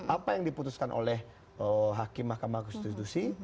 apa yang diputuskan oleh hakim mahkamah konstitusi